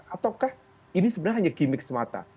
ataukah ini sebenarnya hanya gimmick semata